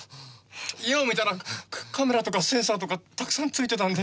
家を見たらカメラとかセンサーとかたくさんついてたんで。